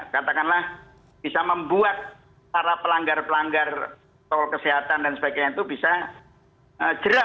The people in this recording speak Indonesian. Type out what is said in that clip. katakanlah bisa membuat para pelanggar pelanggar tol kesehatan dan sebagainya itu bisa jerah